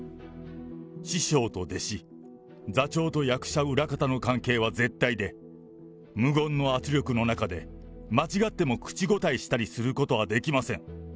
師匠と弟子、座長と役者、裏方の関係は絶対で、無言の圧力の中で、間違っても口答えすることはできません。